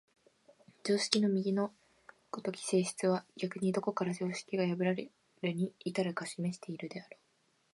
常識の右の如き性質は逆にどこから常識が破られるに至るかを示しているであろう。